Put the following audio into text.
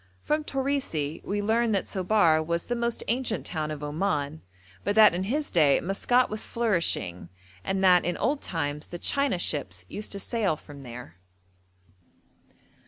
From Torisi we learn that Sobar was the most ancient town of Oman; but that in his day Maskat was flourishing, and that 'in old times the China ships used to sail from there.'